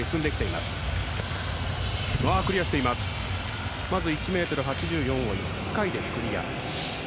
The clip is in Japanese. まず、１ｍ８４を１回でクリア。